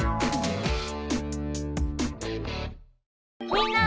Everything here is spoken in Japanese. みんな！